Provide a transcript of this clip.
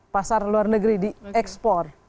pasar luar negeri di ekspor